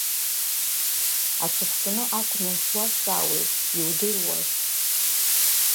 Аҵыхәтәаны акәны суазҵаауеит, иудыруаз…